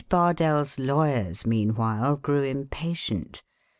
Bardell's lawyers meanwhile grew impatient.